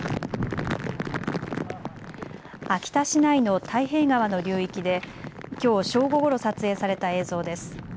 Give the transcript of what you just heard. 秋田市内の太平川の流域できょう正午ごろ撮影された映像です。